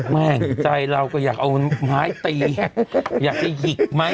แม่งใจเราก็อยากเอาน้ำไม้ตีอยากจะหยิกมั้ย